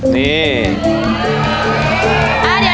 นี่